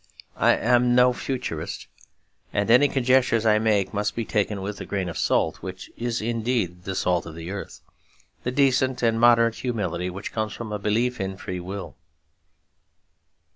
I am no Futurist; and any conjectures I make must be taken with the grain of salt which is indeed the salt of the earth; the decent and moderate humility which comes from a belief in free will.